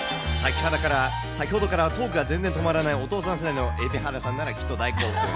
先ほどからトークが全然止まらないお父さん世代の蛯原さんならきっと大興奮。